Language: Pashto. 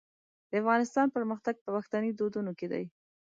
د افغانستان پرمختګ په پښتني دودونو کې دی.